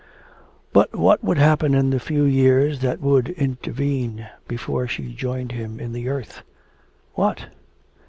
But what would happen in the few years that would intervene before she joined him in the earth! What?